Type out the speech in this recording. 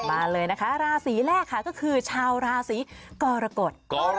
มาเลยนะคะราศีแรกค่ะก็คือชาวราศีกรกฎ